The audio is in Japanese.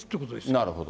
なるほど。